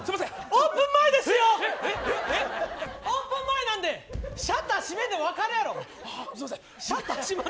オープン前なんでシャッター閉めたら分かるやろ。